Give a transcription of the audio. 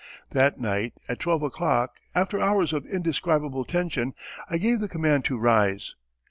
That night at twelve o'clock, after hours of indescribable tension, I gave the command to rise.